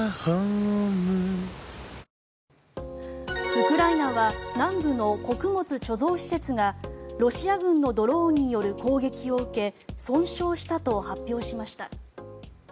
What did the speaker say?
ウクライナは南部の穀物貯蔵施設がロシア軍のドローンによる攻撃を受け損傷したと発表しました。